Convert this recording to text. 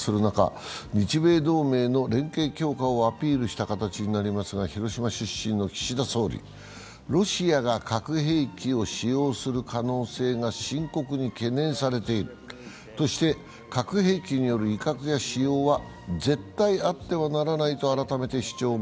国際情勢が緊迫化する中、日米同盟の連携強化をアピールした形になりますが、広島出身の岸田総理は、ロシアが核兵器を使用する可能性が深刻に懸念されているとして核兵器による威嚇や使用は絶対あってはならないと改めて主張。